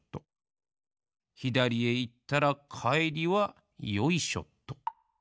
ひだりへいったらかえりはよいしょっと！